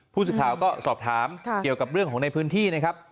ผู้สื่อข่าวก็สอบถามเกี่ยวกับเรื่องของในพื้นที่นะครับ